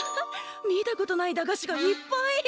見たことない駄菓子がいっぱい！